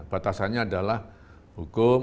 batasannya adalah hukum